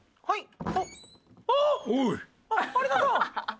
はい。